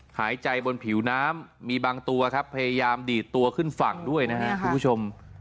หายใจบนผิวน้ำมีบางตัวครับพยายามดีดตัวขึ้นฝั่งด้วยนะครับคุณผู้ชม